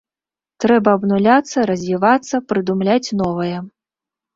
Трэба абнуляцца, развівацца, прыдумляць новае.